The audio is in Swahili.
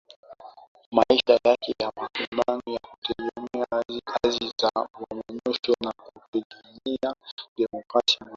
maisha yake ya mapambano ya kutetea mazingira haki za wanyonge na kupigania demokrasia na